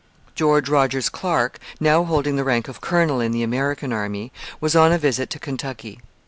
George Rogers Clark, now holding the rank of colonel in the American army, was on a visit to Kentucky.